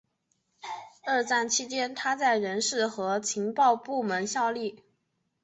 二战期间他在人事和情报部门效力。